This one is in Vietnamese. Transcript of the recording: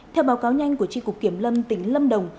theo báo cáo nhanh của tri cục kiểm lâm tỉnh lâm đồng